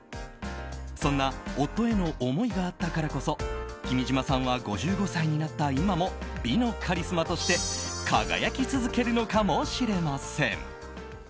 そんな夫への思いがあったからこそ君島さんは、５５歳になった今も美のカリスマとして輝き続けるのかもしれません。